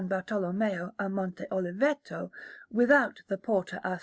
Bartolommeo a Monte Oliveto, without the Porta a S.